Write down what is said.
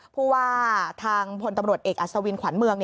ผู้ว่าทางพลตำรวจเอกอัศวินขวัญเมือง